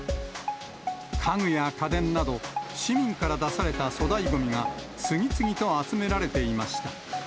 家具や家電など、市民から出された粗大ごみが、次々と集められていました。